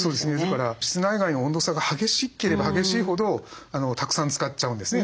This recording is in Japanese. ですから室内外の温度差が激しければ激しいほどたくさん使っちゃうんですね